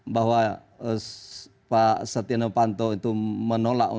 bahwa pak satinopanto itu menolak